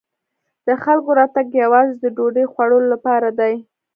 د خلکو راتګ یوازې د ډوډۍ خوړلو لپاره دی.